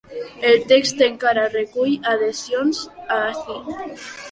El text encara recull adhesions ací.